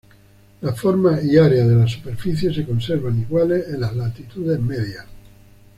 La forma y área de la superficie se conservan iguales en las latitudes medias.